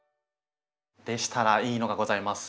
でしたらいいのがございます。